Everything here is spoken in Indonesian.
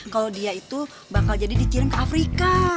kalau dia itu bakal jadi dikirim ke afrika